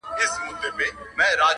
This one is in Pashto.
فرشتې سوې په لعنت ویلو ستړي!!